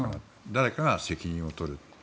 誰かが責任を取る。